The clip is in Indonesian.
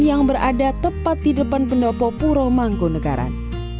yang berada tepat di depan pendopo puromanggunegaran